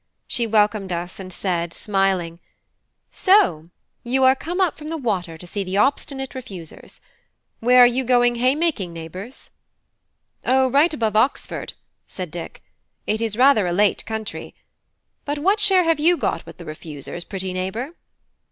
She welcomed us and said, smiling: "So you are come up from the water to see the Obstinate Refusers: where are you going haymaking, neighbours?" "O, right up above Oxford," said Dick; "it is rather a late country. But what share have you got with the Refusers, pretty neighbour?"